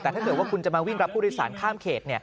แต่ถ้าเกิดว่าคุณจะมาวิ่งรับผู้โดยสารข้ามเขต